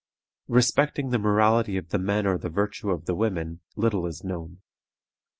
" Respecting the morality of the men or the virtue of the women little is known.